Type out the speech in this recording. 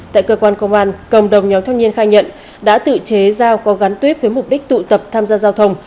tại cơ quan công an cộng đồng nhóm thanh niên khai nhận đã tự chế giao có gắn tuyết với mục đích tụ tập tham gia giao thông